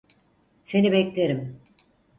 Seni beklerim.